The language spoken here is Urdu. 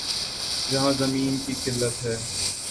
جہاں زمین کی قلت ہے۔